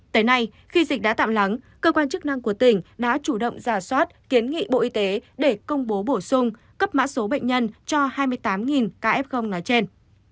tới nay khi dịch đã tạm lắng cơ quan chức năng của tỉnh đã chủ động giả soát kiến nghị bộ y tế để công bố bổ sung cấp mã số bệnh nhân cho hai mươi tám ca f nói trên